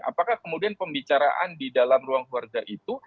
apakah kemudian pembicaraan di dalam ruang keluarga itu